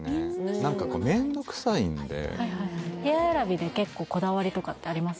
何か面倒くさいんで部屋選びで結構こだわりとかってあります？